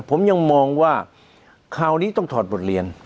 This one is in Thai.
ผมยังมองว่าคราวนี้ต้องถอดบทเรียน